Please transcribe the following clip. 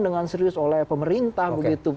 dengan serius oleh pemerintah